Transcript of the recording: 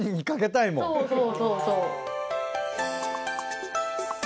そうそうそうそう。